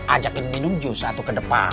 ajakin minum jus atau ke depan